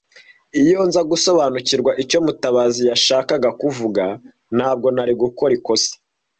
Iyo nza gusobanukirwa icyo Mutabazi yashakaga kuvuga, ntabwo nari gukora ikosa.